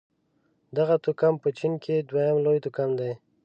دغه توکم په چين کې دویم لوی توکم دی.